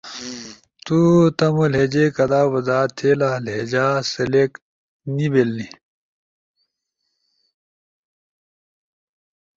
تو تمو لہجے کدا وضاحت تھئیلا، لہجہ سلیکٹ نی بیلنی